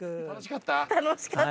楽しかった？